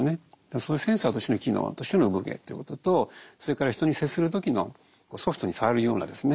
そういうセンサーとしての機能としての生ぶ毛ということとそれから人に接する時のソフトに触るようなですね